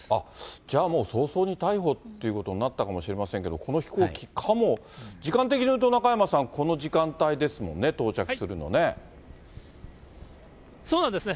じゃあもう早々に逮捕っていうことになったかもしれませんけど、この飛行機かも、時間的に言うと、中山さん、この時間帯ですそうなんですね。